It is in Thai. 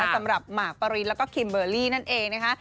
สำหรับหมากปรินแล้วก็คิมเบอร์รี่นั่นเองนะคะ